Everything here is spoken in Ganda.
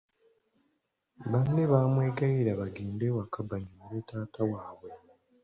Banne bamwegayirira bagende eka bannyonnyole taata waabwe